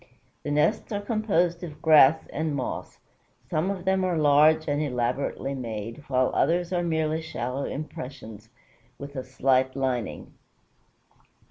The nests are composed of grass and moss. Some of them are large and elaborately made, while others are merely shallow depressions with a slight lining.